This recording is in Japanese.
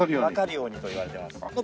わかるようにといわれてます。